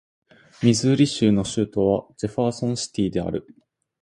ミズーリ州の州都はジェファーソンシティである